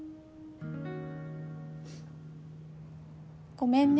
「ごめんね」